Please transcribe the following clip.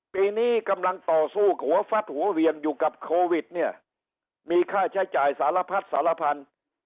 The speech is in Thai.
ปีนี้กำลังต่อสู้หัวฟัดหัวเวียงอยู่กับโควิดเนี่ยมีค่าใช้จ่ายสารพัดสารพันธุ์